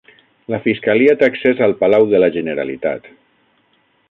La Fiscalia té accés al Palau de la Generalitat